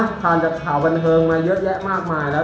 ผ่านจากข่าวบันเทิงมาเยอะแยะมากมายแล้ว